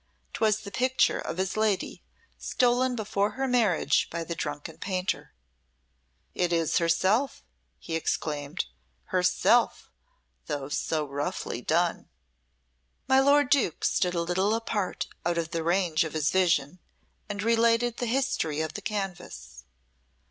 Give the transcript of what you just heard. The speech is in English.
'Twas the picture of his lady, stolen before her marriage by the drunken painter. "It is herself," he exclaimed, "herself, though so roughly done." My lord Duke stood a little apart out of the range of his vision and related the history of the canvas.